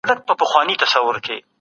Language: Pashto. پلار وویل چي مینه اړینه ده.